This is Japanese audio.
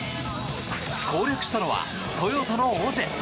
攻略したのはトヨタのオジェ。